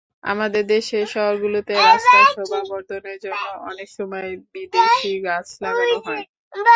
আমাদের দেশের শহরগুলোতে রাস্তায় শোভা বর্ধনের জন্য অনেক সময় বিদেশি গাছ লাগানো হয়।